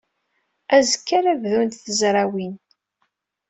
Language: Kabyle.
Azekka ara bdunt tezrawin.